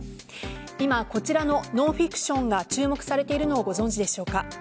今こちらのノンフィクションが注目されているのをご存知でしょうか。